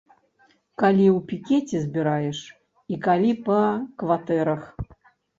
Калі ў пікеце збіраеш і калі па кватэрах.